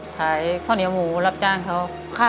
ขายข้าวเหนียวหมูรับจ้างเขา